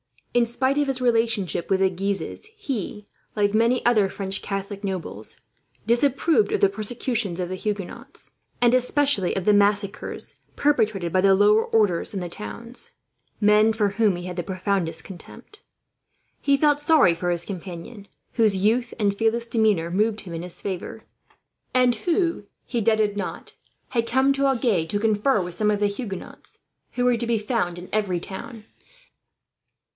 In spite of his relationship with the Guises he, like many other French Catholic nobles, disapproved of the persecutions of the Huguenots, and especially of the massacres perpetrated by the lower orders in the towns, men for whom he had the profoundest contempt. He felt sorry for his companion, whose youth and fearless demeanour moved him in his favour; and who, he doubted not, had come to Agen to confer with some of the Huguenots, who were to be found in every town.